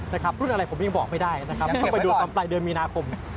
เรื่องอะไรผมยังบอกไม่ได้ไปดูตรงใต้เดือนมีนาคม